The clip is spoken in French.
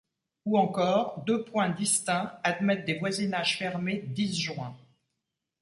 Ou encore, deux points distincts admettent des voisinages fermés disjoints.